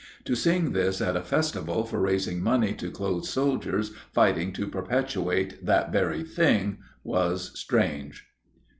To sing this at a festival for raising money to clothe soldiers fighting to perpetuate that very thing was strange.